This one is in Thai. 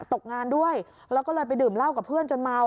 ตกงานด้วยแล้วก็เลยไปดื่มเหล้ากับเพื่อนจนเมา